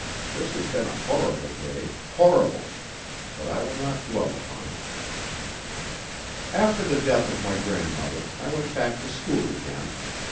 This has been a horrible day horrible; but I will not dwell upon it. After the death of my grandmother, I went back to school again.